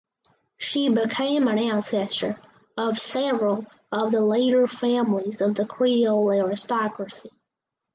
She became an ancestor of several of the later families of the Creole aristocracy.